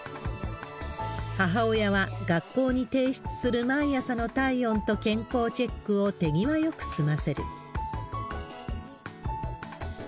母親は、学校に提出する毎朝の体温と健康チェックを手際よく済ませる。